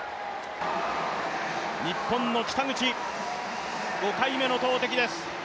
日本の北口、５回目の投てきです。